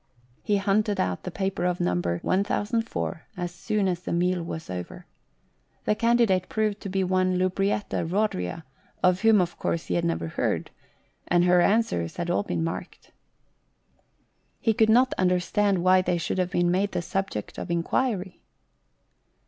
He hunted out the paper of No. 1004 as soon as the meal was over. The candidate proved to be one Lubrietta Eodria, of whom, of course, he had never heard, and her answers had all been marked. He could not 93 &HOST TALES. understand why they should have been made the subject of enquiry.